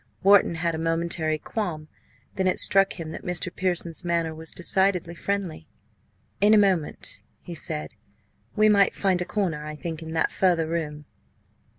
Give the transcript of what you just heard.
Wharton had a momentary qualm. Then it struck him that Mr. Pearson's manner was decidedly friendly. "In a moment," he said. "We might find a corner, I think, in that further room."